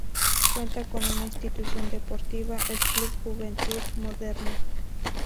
Cuenta con una institución deportiva, El Club Juventud Moderna.